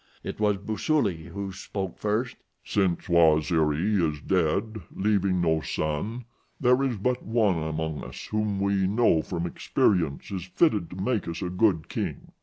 It was Busuli who spoke first: "Since Waziri is dead, leaving no son, there is but one among us whom we know from experience is fitted to make us a good king.